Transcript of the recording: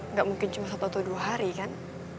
nggak mungkin cuma satu atau dua hari kan